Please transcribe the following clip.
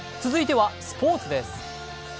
続いてはスポーツです。